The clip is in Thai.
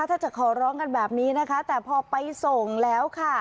ถ้าจะขอร้องกันแบบนี้นะคะแต่พอไปส่งแล้วค่ะ